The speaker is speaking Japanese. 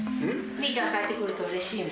ミイちゃんが帰ってくるとうれしいもんな。